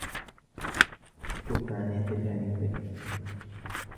كفّ عن اعتباري طفل.